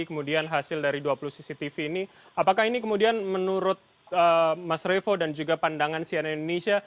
kemudian hasil dari dua puluh cctv ini apakah ini kemudian menurut mas revo dan juga pandangan sian indonesia